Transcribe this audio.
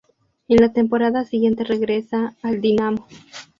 En la temporada siguiente regresa al Dinamo.